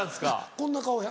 こんな顔や。